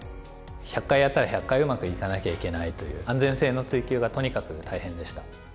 １００回やったら１００回うまくいかなきゃいけないという安全性の追求がとにかく大変でした。